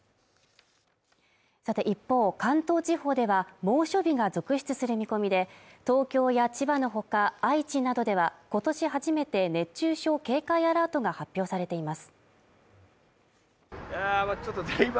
さて一方、関東地方では猛暑日が続出する見込みで、東京や千葉の他、愛知などでは、今年初めて熱中症警戒アラートが発表されています。